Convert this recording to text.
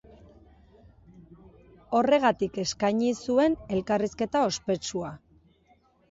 Horregatik eskaini zuen elkarrizketa ospetsua.